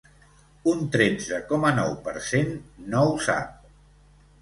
Un tretze coma nou per cent no ho sap.